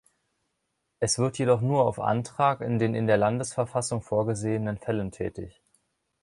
Es wird jedoch nur auf Antrag in den in der Landesverfassung vorgesehenen Fällen tätig.